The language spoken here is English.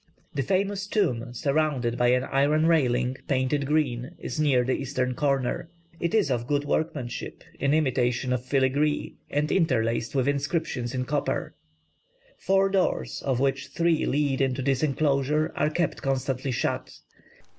The famous tomb, surrounded by an iron railing painted green, is near the eastern corner. It is of good workmanship, in imitation of filagree, and interlaced with inscriptions in copper. Four doors, of which three lead into this enclosure, are kept constantly shut.